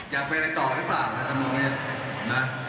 อยากเป็นไรต่อหรือเปล่านี่อันนึงรึเปล่า